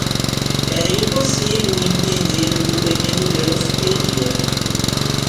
Era impossível entender o que o pequeno Gruff queria.